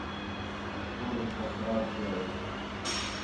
فون ہیک تاں خراب کَیا ہے